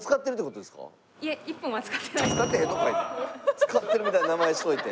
使ってるみたいな名前しといて。